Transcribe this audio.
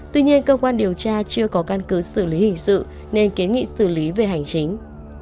tuy nhiên cơ quan điều tra chưa có căn cứ xử lý hình sự nên kiến nghị xử lý về hành chính